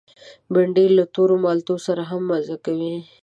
بېنډۍ له تور مالټو سره هم مزه لري